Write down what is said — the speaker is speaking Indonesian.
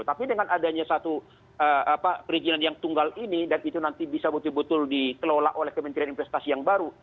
tapi dengan adanya satu perizinan yang tunggal ini dan itu nanti bisa betul betul dikelola oleh kementerian investasi yang baru